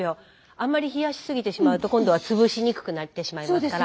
あんまり冷やしすぎてしまうと今度は潰しにくくなってしまいますから。